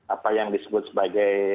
apa yang disebut sebagai